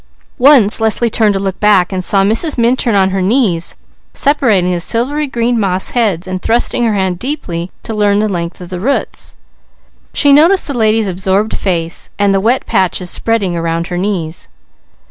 Once Leslie turned to look back and saw Mrs. Minturn on her knees separating the silvery green moss heads and thrusting her hand deeply to learn the length of the roots. She noticed the lady's absorbed face, and the wet patches spreading around her knees.